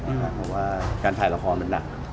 เพราะว่าการถ่ายละครมันหนัก